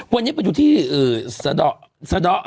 พวกนี้มาอยู่ที่เอ่อซาด่อซาดะ